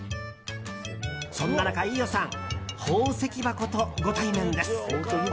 そんな中飯尾さん、宝石箱とご対面です。